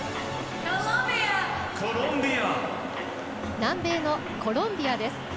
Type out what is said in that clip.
南米のコロンビアです。